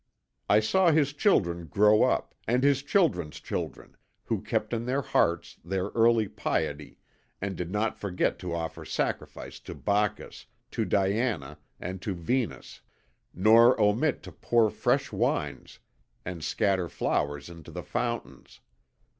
"I saw his children grow up, and his children's children, who kept in their hearts their early piety and did not forget to offer sacrifice to Bacchus, to Diana, and to Venus, nor omit to pour fresh wines and scatter flowers into the fountains.